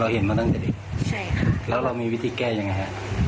เราเห็นมาตั้งแต่เด็กแล้วเรามีวิธีแก้ยังไงคะ